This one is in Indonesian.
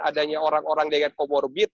adanya orang orang dengan comorbid